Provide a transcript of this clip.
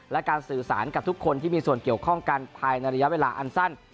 และการสื่อสารกับทุกคนที่มีส่วนเกี่ยวข้องกันภายในระยะเวลาอันสั้น